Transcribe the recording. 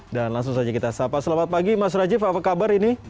dan langsung saja kita sapa selamat pagi mas rajif apa kabar ini